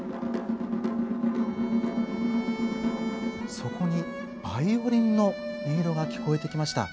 そこにバイオリンの音色が聞こえてきました。